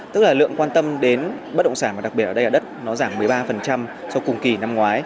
tức là lượng quan tâm đến bất đồng sản và đặc biệt ở đây là đất nó giảm một mươi ba sau cùng kỳ năm ngoái